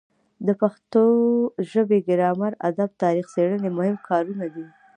د پښتو ژبې ګرامر ادب تاریخ څیړنې مهم کارونه دي.